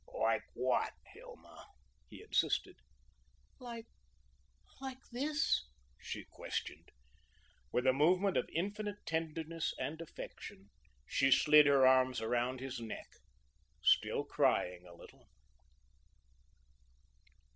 "Like what, Hilma?" he insisted. "Like like this?" she questioned. With a movement of infinite tenderness and affection she slid her arms around his neck, still crying a little.